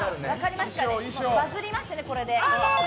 バズりましたよね、これで。